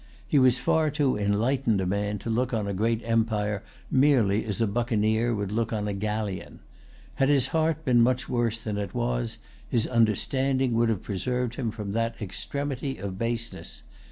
He was far too enlightened a man to look on a great empire merely as a buccaneer would look on a galleon. Had his heart been much worse than it was, his understanding would have preserved him from that extremity of baseness.